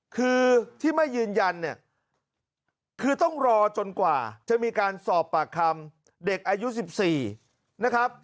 คือที่ไม่ยืนยันเนี่ยคือต้องรอจนกว่าจะมีการสอบปากคำเด็กอายุ๑๔นะครับ